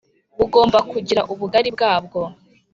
bugomba kugira ubugari bwabwo